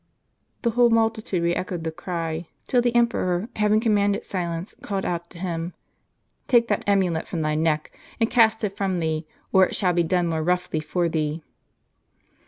The whole multitude re echoed the cry, till the emperor, having commanded silence, called out to him, "Take that amulet from thy neck, and cast it from thee, or it shall be done more roughly for thee."